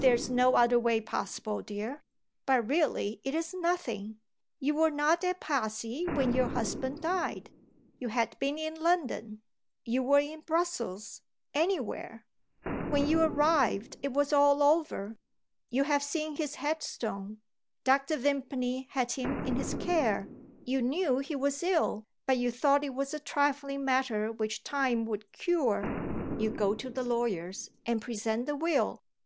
"There is no other way possible, dear. But really, it is nothing. You were not at Passy when your husband died. You had been in London you were in Brussels anywhere; when you arrived it was all over; you have seen his headstone. Dr. Vimpany had him in his care; you knew he was ill, but you thought it was a trifling matter which time would cure; you go to the lawyers and present the will.